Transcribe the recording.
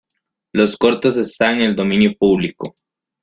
Los cortos están en el Dominio Publico.